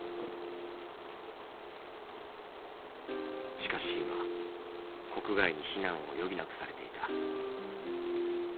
しかし今国外に避難を余儀なくされていた。